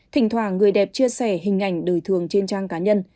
thỉnh thoả người đẹp chia sẻ hình ảnh đời thường trên trang cá nhân